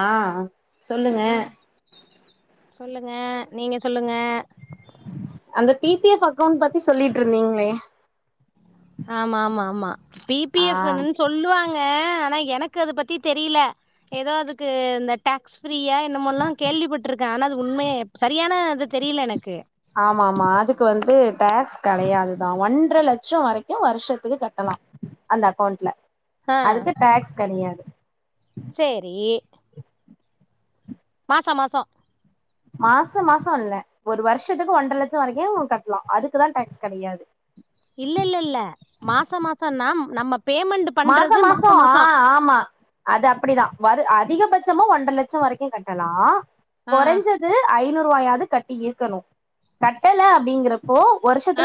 ஆஹ் சொல்லுங்க ம் சொல்லுங்க நீங்க சொல்லுங்க அந்த பி பி எஃப் அக்கௌண்ட் பத்தி சொல்லிட்டு இருந்தீங்ளே ஆமா ஆமா ஆமா பி பி ஆ எஃப்னு சொல்லுவாங்க ஆனா எனக்கு அது பத்தி தெரியல ஏதோ அதுக்கு இந்த டாக்ஸ் ஃப்ரீயா என்னமோ எல்லாம் கேள்விப்பட்டிருக்கேன் ஆனா அது உண்மைய சரியானது தெரியல எனக்கு ஆமா ஆமா அதுக்கு வந்து டேக்ஸ் கெடயாதுதான் ஒன்ரை லட்சம் வரைக்கும் வருஷத்துக்கு கட்டலாம் அந்த அக்கவுண்ட்ல ஆ அதுக்கு டேக்ஸ் கெடயாது சேரி மாசம் மாசம் மாசம் மாசம் இல்ல ஒரு வருஷத்துக்கு ஒன்ரை லட்சம் வரைக்கும் கட்டலாம் அதுக்குதான் டேக்ஸ் கெடயாது இல்ல இல்ல இல்ல மாச மாசம்னா நம்ம பேமெண்ட் பண்றது மாசம் மாச மாசம் மாசோ ஆஹ் ஆமா அது அப்படிதான் வரு அ திகபட்சம ஒன்ரை லட்சம் வரைக்கும் கட்டலாம் ஆ குறைஞ்சது ஐநூறு ரூவாயாவது கட் டி இருக்கணும் கட்டலை அப்படிங்கிறப்போ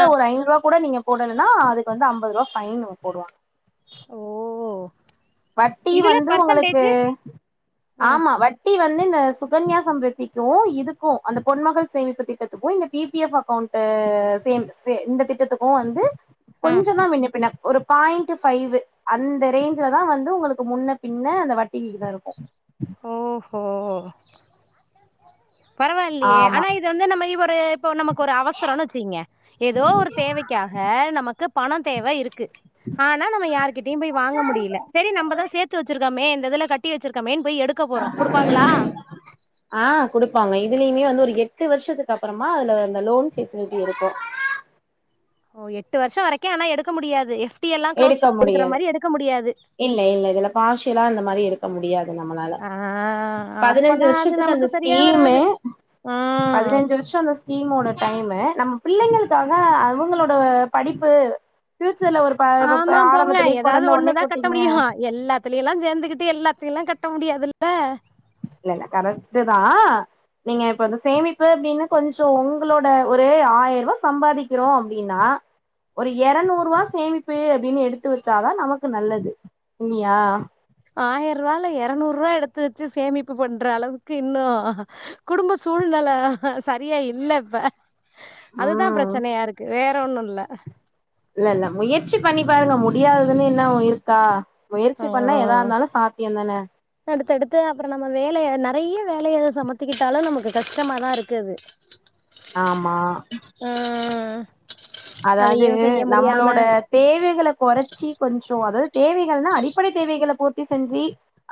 ஆ ஒரு ஐநூறு ரூபா கூட நீங்க போடலனா அதுக்கு வந்து ஐம்பது ரூபா ஃபைன் போடுவாங் ஓ வட்டி இதுல வந்து உங்களுக்கு பர்சன்டேஜ் ம் ஆமா வட்டி வந் து இந்த சுகன்யாசம்ருதிக்கும் இதுக்கும் அந்த பொன்மகள் சேமிப்பு திட்டத்துக்கும் இந்த பி பி எஃப் அக்கவுண்ட்டு சேந் சேந் இந்த திட்டத்துக்கும் வந்து ம் கொஞ்ச தான் முன்னா பின்ன ஒரு பாயிண்ட் பைவ் அந்த ரேஞ்சல தான் வந்து உங்களுக்கு முன்ன பின்ன அந்த வட்டிவிகிதம் இருக்கும் ஓஹோ பரவாயில்லயே ஆமா ஆனா இது வந்து நம இ இப்ப நமக்கு ஒரு அவசரம் வச்சீங்க ஏதோ ஒரு தேவைக் காக நமக்கு பணம் தேவ இருக்கு ஆனா நம்ம யார்கிட்டயும் போய் வாங்க முடியல சரி நம்பதான் சேர்த்து வச்சிருக்கோமே இந்த இதுல கட்டி வச்சிருக்கோமேன் ஆஹ் குடுப்பாங்க இதுலயுமே வந்து ஒரு எட்டு வருஷத்துக்கு அப்புறமா அதுல அந்த லோன் பெசிலிட்டி இருக்கும் ஓ எட்டு வருஷம் வரைக்கும் ஆனா எடுக்க முடியாது வட்டி எல்லாம் க்ளோஸ் எடுக்க பண்ணி எடுக்கற முடியாது மாரி எடுக்க முடியாது இல்ல இல்ல இதுல பார்ஷியலா இந்த மாரி எடுக்க முடியாது நம்மளால ஆஹ் பதினஞ்சு அப்பனா அது வருஷத்துக்கு நமக்கு அந்த சரியா ஸ்கீமு வராது உம் பதினஞ்சு வருஷம் அந்த ஸ்கீம்மோட டைமு நம்ம பிள்ளைங்களுக்காக அவங்களோட படிப்பு பியூச்சர்ல ஒரு ப ப ஆமா போங்க ஆரம்பத்திலயே ஏதாவது பொறந்த ஒடனே ஒண்ணுதான் கட்ட போட்டீங்க முடியும் எல்லாத்துலயும் எல்லாம் சேர்ந்துக்கிட்டு எல்லா அப்படில்லாம் கட்ட முடியாதுல்ல இல்லல்ல கரஸ்ட்டுதா நீங்க இப்ப வந்து சேமிப்பு அப்படின்னு கொஞ்ச உங்களோட ஒரு ஆயிரூவா சம்பாதிக்கிறோ அப்படின்னா ஒரு எரநூரூவா சேமிப்பு அப்படின்னு எடுத்து வச்சாதா நமக்கு நல்லது இல்லியா ஆயிரூபால எரநூரூவா எடுத்து வச்சு சேமிப்பு பண்ற அளவுக்கு இன்னு குடும்ப சூழ் நில சரியா இல்ல இப்ப அதுதா ம் பிரச்சனையா இருக்கு வேற ஒன்னுல்ல இல்ல இல்ல முயற்சி பண்ணி பாருங்க முடியாததுன்னு என்ன இருக்கா முயற்சி ஆ பண்ணா எதா இருந்தாலு சாத்தியம் தான அடுத்தடுத்து அப்பற நம்ம வேலய நெறைய வேலைய சமத்திக்கிட்டாலு நமக்கு கஷ்டமாதா இருக்குது ஆமா அதாவது அதையு செய்ய முடியாம நம்மளோட தேவைகள கொறைச்சி கொஞ்ச அதாவது தேவைகள்னா அடிப்படை தேவைகளை பூர் த்தி செஞ்சு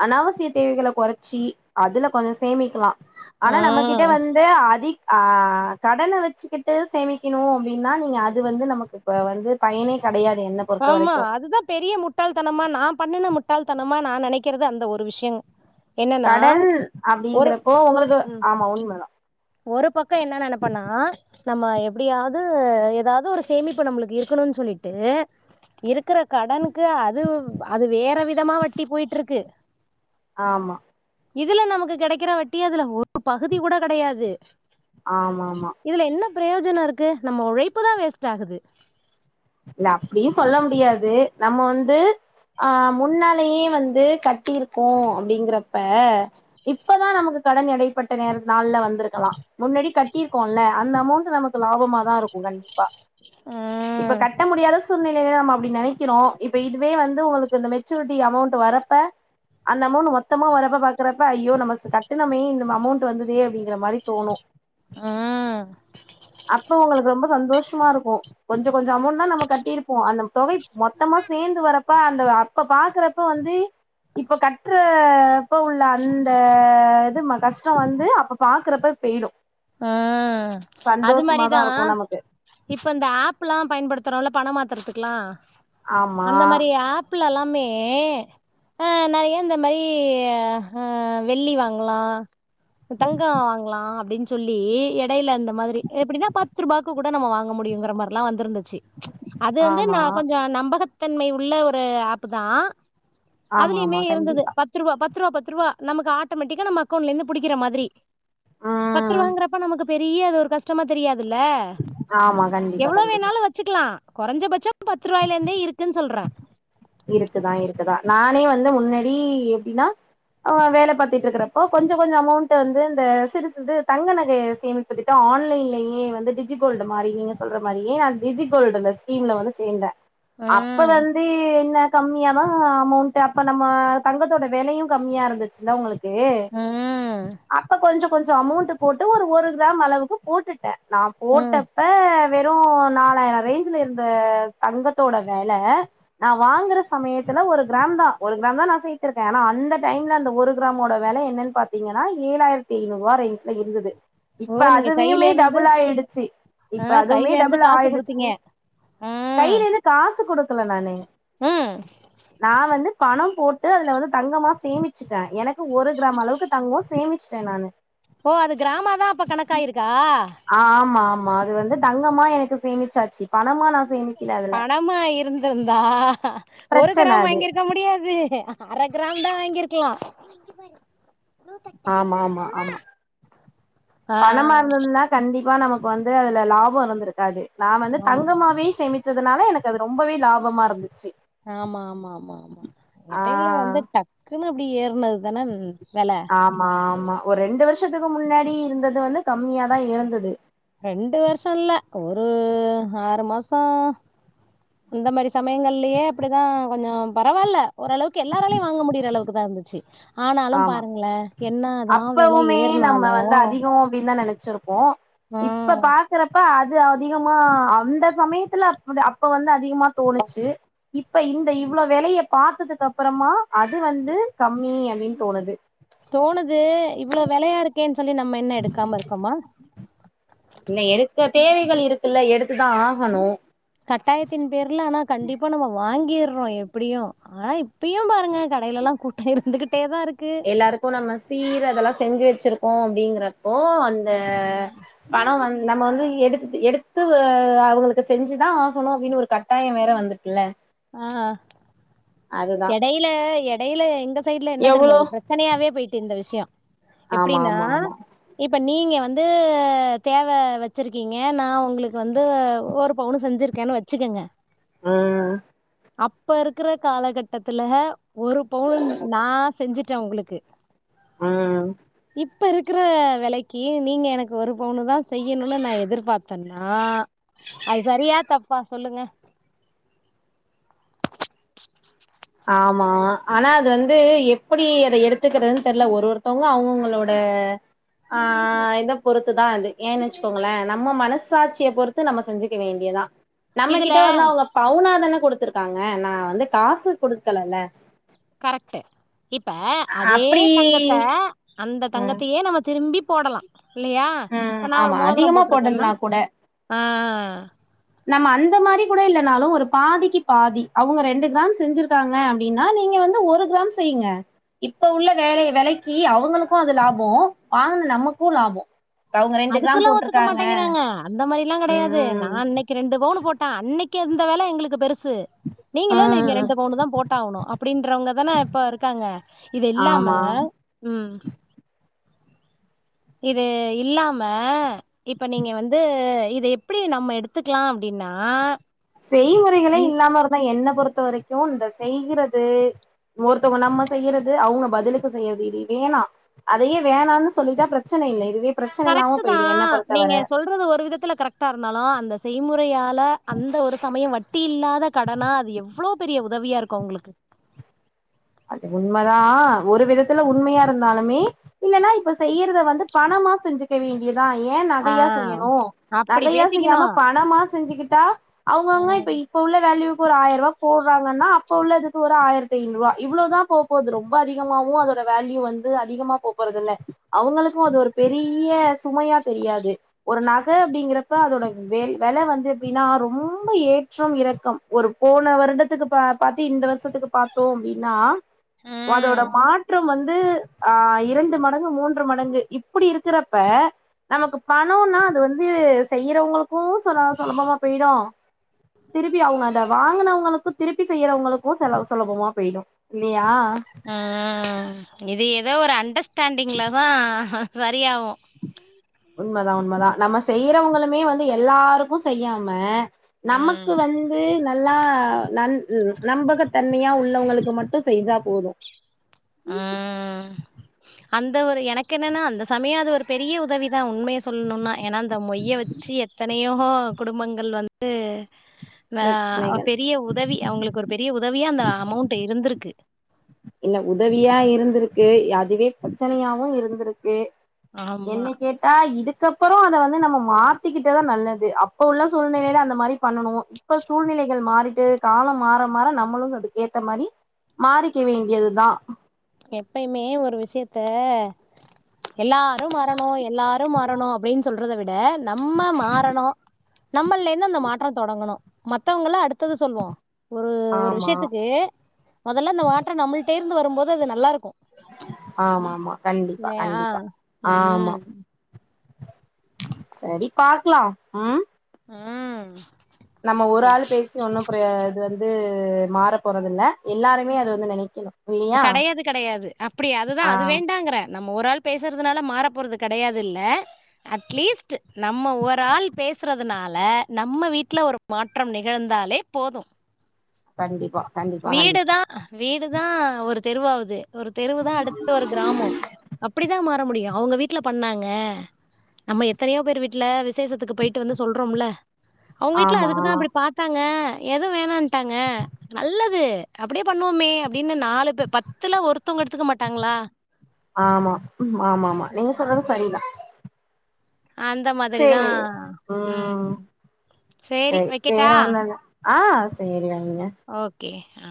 அனாவசிய தேவைகளை கொறைச்சி அதுல கொஞ்ச சேமிக்கலா ஆனா நம்மகிட்ட ம் வந்து அதி ஆ கடன வச்சுக்கிட்டு சேமிக்கணு அப்படின்னா நீங்க அ வந்து நமக்கு இப்ப வந்து பயனே கெடையாது என்ன பொறுத்த ஆமா வரைக்கு அதுதா பெரிய முட்டாள்தனமா நா பண்ணன முட்டாள்தனமா நா நெனைக்கறது அந்த ஒரு விஷயங் கட அப்டிங்கிறப்போ உங்களுக்கு ம் ஆமா உண்மை தா ஒரு பக்க என்ன நன பண்ணா நம்ம எப்படியாவது ஏதாவது ஒரு சேமிப்பு நம்மளுக்கு இருக்கணும்னு சொல்லி ட்டு இருக்கற கடனுக்கு அது அது வேற விதமா வட்டி போயிட்ருக்கு ஆமா இதுல நமக்கு கெடைக்குறவட்டி அதுல ஒரு பகுதி கூட கெடையாது ஆமாமா பிரயோஜன இருக்கு நம்ம உழைப்பு தா வேஸ்ட்டாகுது து நம்ம வந்து ஆ முன்னாலேயே வந்து கட்டியிருக்கோ அப்படிங்கறப்ப இப்பதா நமக்கு கடன் எடைப்பட்ட நேர நாள் வந்திருக்கலா முன்னாடி கட்டிருக்கோல்ல அந்த அமௌண்ட் நமக்கு லாபமா தா இருக்கு கண்டிப்பா ம் இப்ப கட்ட முடியாத சூழ்நிலையில நம்ம அப்படி நெனைக்கிறோ இப்ப இதுவே வந்து உங்களுக்கு இந்த மெச்சூரிட்டி அமௌண்ட் வரப்ப அ அந்த அமௌண்ட் மொத்தமா வரப்ப பாக்குறப்ப ஐயோ நம்ம கட்டணமே இந்த அமௌண்ட் வந்ததே அப்டிங்கிற மாரி தோணு ம் அப்ப உங்களுக்கு ரொம்ப சந்தோஷமா இருக்கு கொஞ்ச கொஞ்ச அமௌண்ட் தா நம்ம கட்டியிருப்போ அந்த தொகை மொத்தமா சேந்து வரப்ப அந்த அப்ப பாக்குறப்ப வந்து இப்ப கட்ற அப்ப உள்ள அந்த இது கஷ்ட வந்து அப்ப பாக்குறப்ப பெய்டு ம் அது மாரிதா இருக்கு நமக்கு இப்ப இந்த ஆப்ல்லா பயன்படுதுரோல பணமாத்துறதுக்கலா ஆமா அந்த மாரி ஆப்ல எல்லாமே ஏ அ நெறைய இந்த மாரி அ வெள்ளி வாங்கலா தங்க வாங்கலா அப்டின் சொல்லி எடையில அந்த மாதிரி எப்படினா பத்து ரூபாக்கு கூட நம்ம வாங்க முடியுங்கிற மாதிரிலா வந்திருந்தது அது வந்து ஆமா நா கொஞ்ச நம்பகத்தன்மை உள்ள ஒரு ஆப்பு தா ஆமா ஆமா அதுலயுமே இருந்தது கண்டிப்பா பத்து ரூபா பத் பத்து ரூவா பத்து ரூவா நமக்கு ஆட்டோமேட்டிக்கா நம் அக்கௌண்ட்ல இருந்து புடிக்கிற மாதிரி பத்து ம் ரூபாங்கிறப்ப நமக்கு பெரிய அது ஒரு கஷ்டமா தெரியாது தில ஆமா கண்டிப்பா எவ்ளோ கண்டிப்பா வேணாலு வச்சுக்கலா கொரஞ்ச பட்சம் பத்து ரூபாயல இருந்தே இருக்குன்னு சொல்றே இருக்குதா இருக்குதா நானே வந்து முன்னடி எப்டின்னா அவ வேலை பாத்திட்ருக்கறப்போ கொஞ்ச கொஞ்ச அமௌண்ட்ட வந்து இந்த சிறுசுது தங்க நகை சேமிப்பு திட்ட ஆன்லைன்லயே வந்து டிஜிகோல்டு மாதிரி நீங்க சொல்ற மாதிரிய நான் டிஜிகோல்டு அந்த ஸ்கீம்ல வந்து சேர்ந்தேன் அப்ப ம் வந்து கம்மியா தான் அமௌண்ட் அப்போ நம்ம தங்கத்தோட விலையும் கம்மியா இருந்துச்சு இல்ல உங்களுக் கே ம் அப்ப கொஞ்சம் கொஞ்சம் அமௌண்ட் போட்டு ஒரு ஒரு கிராம் அளவுக்கு போட்டுட்டேன் நான் ம் போட்டப்ப வெறும் நாலாயிரம் ரேஞ்ச்ல இருந்த தங்கத்தோட வெல நா வாங்குற சமயத்தில்ல ஒரு கிராம் தான் ஒரு கிராம் தான் நான் சேர்த்திருக்கேன் ஆனா அந்த டைம்ல அந்த ஒரு கிராமோட வெல என் ன்னா பாத்திங்கன்னா ஏழாயிரத்து ஐநூறுவா இருந்தது ஓ இப்ப நீங்க அதுவியுமே கையில இருந்து டபுள் ஆயிடுச்சி ஆ இப்ப கையில அதும்மே இருந்து டபுளா காசு ஆய்டுச்சு குடுத்தீங்க ம் கைலேது காஸு குடுக் ல நானு ம் நா வந்து பணம் போட்டு அதுல வந்து தங்கமா சேமிச்சிட்டே எனக்கு ஒரு கிராம் அளவுக்கு தங்கோ சேமிச்ட்ட நானு ஓ அது கிராமா தா அப்ப கணக்காயிருக்கா ஆஹ் ஆமா ஆமா அது வந்து தங்கமா எனக்கு சேமிச்சா பணமா இருந்திருந்தா ஒரு பிரச்சன கிராம் அது வாங்கிருக்க முடியாது அர கிராம் தா வாங்கிருக்லா ஆமா ஆமா ஆமா ஆ பணமா இருந்திர்ந்தா கண்டிப் பா நமக்கு வந்து அதுல லாபோ இருந்திருக்காது நா வந்து ஆமா தங்கமாவே சேமி ச்சதுனால எனக்கு அது ரொம்பவே லாபமா இருந்துச்சு ஆமா ஆமா ஆமா ஆ எடைல வந்து டக்குன்னு அப்டி ஏற்ன தனா வெல ஆமா ஆமா ஒரு ரெண்டு வர்ஷத்துக்கு முன்னாடி இருந்தது வந்து கம்மியாதா இருந்தது ரெண்டு வர்ஷோல்ல ஒரு ஆறு மாசோ அந்த மாரி சமயங்கள்லியே அப்டிதா கொஞ்சோ பரவால்ல ஓரளவுக்கு எல்லாராலயு வாங்க முடிற அளவுக்கு தா இருந்துச்சு ஆனாலும் ஆமா பாருங்ள என்னதா வெல அப்பவுமே ஏற்னாலு சிருப்போ இப்ப பாக்குறப்ப அ து அதிகமா அந்த சமயத்தில அப்புடு அப்ப வந்து அதிகுமா தோணுச்சு இப்ப இந்த இ வ்ளோ வெலைய பாத்ததுக் அப்பறமா அது வந்து கம்மி அப்டின் தோணுது தோணுது இவ்ளோ வெலையா இருக்கேன் சொல்லி நம்ம என்ன எடுக்காம இருக்கோமா இல்ல எடுக்க தேவைகள் இருக்குல்ல எடுத்துதா ஆகணு கட்டாயத்தின் பேர்ல ஆனா கண்டிப்பா நம்மோ வாங்கிர்றோ எப்டியு ஆனா இப்பியு பாருங்க கடைலல்லா கூட்டோ இருந்துகிட் எல்லாருக்கு நம்ம சீர் அதெல்லா செஞ்சு வச்சிருக்கோ அப்டீங்ற போ அந்த பணோ வந் நம்ம வந்து எடுத்துட்டு எடுத்து அவுங்களுக்கு செஞ்சுதா ஆகணு அப்டின் ஒரு கட்டாய வேற வந்திர்க்கில்ல ஆஹ் எடைல எடைலே எங்க சைடுல என்ன தெரிமா எவ்ளோ ஒரு பிரச்சனையாவே போய்ட்டு இந்த விஷ்யோ ஆமா எப்டினா ஆமா ஆமா இப்ப நீங்க வந்து தேவ வச்சிருக்கீங்க நா உங்குளுக்கு வந்து ஒரு பவுனு செஞ்சிருக்கேனு வச்சுக்கங்க ஆஹ் அப்ப இருக்ற காலகட்டத்துல ஒரு பவுன் நான் செஞ்சிட்ட உங்ளுக்கு ஆஹ் இப்ப இருக்கிற வெலைக்கி நீங்க எனக்கு ஒரு பவுனு தா செய்யணுனு நான் எதிர்பாத்தன்னா அது சரியா தப்பா சொல்லுங்க ஆமா ஆனா அது வந்து எப்புடி அத எடுத்துக்கறதுன் தெர்ல ஒரு ஒருவொருத்தவங்க அவுங்கவங்களோட ஆஹ் இத பொறுத்துதா அது ஏன்னென்ச்சுக்கோங்கள நம்ம மனசாட்சிய பொறுத்து நம்ம செஞ்சுக்க வேண்டியதா இதுல நம்மகிட்ட வந்து அவுங்க பவுனாதான குடுத்துருக்காங்க நா வந்து காசு குடுக்கலல கரக்ட்டு இப்ப அதே அப்டி தங்கத்த அந்த ம் தங்கத்தியே நம்ப திரும்பி போடலா இல்லையா ம் இப்ப நா ஒரு ஆமா மோதுரோ அதிகமா போட்ருக்கென்னா போடலனா கூட ஆஹ் நம்ம அந்த மாரி கூட இல்லனாலு ஒரு பாதிக்கு பாதி அவுங்க ரெண்டு கிராம் செஞ்சிருக்காங்க அப்டினா நீங்க வந்து ஒரு கிராம் செய்ங்க இப்ப உள்ள வேல வெலக்கி அவுங்களுக்கு அது லாபோ வாங்குன நமக்கு லாபோ அவங்க ரெண்டு கிராம் அதுக்குலா ஒத்துக்க போட்ருக்காங்க மாட்டேங்குறாங்க அந்த மாரிலா கெடயாது ம் நா அன்னைக்கு ரெண்டு பவுனு போட்ட அன்னைக் கு அந்த வெல எங்குளுக்கு பெருசு நீங்களு நீங்க ம் ரெண்டு பவுனுதா போட்டாவுணு அப்டின்றவுங்கதான இப்ப இருக்காங்க இது இல்லாம ஆமா ம் இது இல்லாம இப்ப நீங்க வந்து இத எப்பிடி நம்ம எடுத்துக்லா அப்டின் னா செய்முறைகளே இல்லாம இருதா என்ன பொறுத்த வரைக்கும் இந்த செய்கிறது ஒருத்தவங்க நம்ம செய்யறது அவங்க பதிலுக்கு செய்யறது இது வேணா அதையே வேணான்னு சொல்லிட்டா பிரச்ச இல்ல இதுவே பிரச்சன இல்லாம கரெக்ட்டு தா போயிடு என்ன பொறுத்தவர நீங்க சொல்றது ஒரு விதத்துல கரெக்டா இருந்தாலு அந்த செய்முறையால அந்த ஒரு சமய வட்டி இல்லாத கடனா அது எவ்ளோ பெரிய உதவியா இருக்கு அவுங்களுக்கு அது உண்மதா ஒரு விதத்துல உண்மையா இருந்தாலுமே இல்லன்னா இப்ப செய்யறத வந்து பணம் மா செஞ்சுக்க வேண்டியது தா ஏ ஆ, நகையா செய்யணு அப்படி நகையா செய்யாம பேசிக்கணும். பணமா செஞ்சிக்கிட்டா அவுங்க அவுங்க இப்ப ம், இப்ப உள்ள வேல்யுக்கு ஒரு ஆயிரூவா போடுறாங்கன்னா அப்ப உள்ள துக்கு ஒரு ஆயிரத்தய்நூவா இவ்ளோதா போ போகுது ரொம்ப அதிகமாவு அதோட வேல்யூ வந்து அதிகமா போ போறது இல்ல அவுங்களுக்கு அது ஒரு பெரிய சுமையா தெரியாது ஒரு நகை அப்டிங்கறப்ப அதோட வெல் வெல வந்து எப்டின்னா ரொம்ப ஏற்றம் இறக்கும் ஒரு போன வருடத்துக்கு பாத்து இந்த வருஷத்துக்கு பாத்தோம் அப்டின்னா அதோட ம், மாற்றம் வந் து ஆ இரண்டு மடங்கு மூன்று மடங்கு இப்புடி இருக்கிறப்ப நமக்கு பணொனா அது வந்து செய்யறவங்களுக்கு சொ சொலபமா போயிடு திருப்பி அவங்க அத வாங்கனவங்களுக்கு திருப்பி செய்யறவங்களுக்கு செலவு சுலபமா போயிடு இல்லியா ஆ இது ஏதோ ஒரு அண்டர்ஸ்டாண்டிங்லதா சரியாவு உண்மதான உண்மதான நம்ம செய்யறவங்களுமே வந்து எல்லாருக்கு செய்யாம ம், நமக்கு வந்து நல்லா ந நம்பகத்தன்மையா உள்ளவங்களுக்கு மட்டு செஞ்சா போது ஆ அந்த ஒரு எனக்கு என்னன்னா அந்த சமய அது ஒரு பெரிய உதவி தா உண்மய சொல்லணுனா ஏன்னா அந்த மொய்ய வச் ச்சு எத்தனையோ குடும்பங்கள் வந்து ஆ பிரச்சனைகள் பெரிய உதவி அவங்களுக்கு ஒரு பெரிய உத உதவியா அந்த அமௌண்ட் இருந்திருக்கு இல்ல உதவியா இருந்திருக்கு அதுவே பிரச்சனையாவு இருந்திருக்கு ஆமா என்ன கேட்டா இதுக் கப்பறம் அத வந்து நம்ம மாத்திக்கிட்டதா நல்லது அப்ப உள்ள சூழ்நிலையில அந்த மாரி பண்ணனு இப்ப சூழ்நில கள் மாறிட்டு காலம் மாற மாற நம்மளு அதுக்கு ஏத்த மாரி மாறிக் க்க வேண்டியதுதா எப்பயுமே ஒரு விஷயத்த எல்லாரு மாறணும் எல்லாரு மாறணும் அப்டினு சொல்றத விட் நம்ம மாறணு நம்மலேந்து அந்த மாற்ற தொடங்கணு மத்தவங்கள அடுத்தது சொல்வோ ஒரு ஒரு ஆமா விஷயத்துக்கு மொதல்ல இந்த மாற்றம் நம்புள் சேர்ந்து வரும்போது நல்லா இருக் ஆமா ஆமா கண்டிப்பா இல்லையா கண்டிப்பா ஆமா ம் சரி பாக்லா ம் ம் நம்ம ஒரு ஆள் பேசி ஒண்ணு ப்ர இது வந் து மாற போறது இல்ல எல்லாருமே அது வந்து நெனைக்கணு இல்லையா கடையாது கடையாது அப்டியா அதுதா ஆ அது வேண்டாங்குறே நம்ம ஒராள் பேசுறதுனால மாற போறது கெடையாது இல்ல அட்லீஸ்ட்டு நம்ம ஒராள் பேசுறதுனால நம்ம வீட்ல ஒரு மாற்றம் நிகழ்ந்தா தாலே போது கண்டிப்பா கண்டிப்பா கண்டிப்பா வீடுதா வீடுதா ஒரு தெருவாவுது ஒரு தெருவுதா அடுத்து ஒரு கிராமோ அப்டிதா மாற முடியு அவுங்க வீட்ல பண்ணாங்க நம்ம எத்தனையோ பேரு வீட்ல விசேஷத்துக்கு போயிட்டு வந்து சொல்றோம்ல அவ்ங்க வீட்ல ஆமா அதுக்குதா அப்டி பாத்தாங்க எதுவு வேணான்ட்டாங்க நல்லது அப்டியே பண்ணுவோமே அப்டின்னு நாலு பே பத்துல ஒருத் த்தவ்ங்க எடுத்துக்க மாட்டாங்ளா ஆமா ம் ஆமா ஆமா ஆ நீங்க சொல்றது சேர் தான். ம் சரி சேர் வேற வைக்கட்டா? ஒன்னுல்ல ஆ சேரி வைங்க கே ஆ